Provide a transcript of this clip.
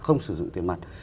không sử dụng tiền mặt